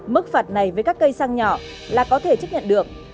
mức phạt này với các cây xăng nhỏ là có thể chấp nhận được